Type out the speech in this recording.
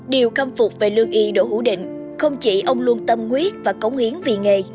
điều khâm phục về lương y đỗ hữu định không chỉ ông luôn tâm nguyết và cống hiến vì nghề